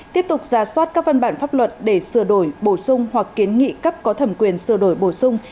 tiếp tục ra soát các văn bản pháp luật để sửa đổi bổ sung hoặc kiến nghị cấp có thẩm quyền sửa đổi bổ sung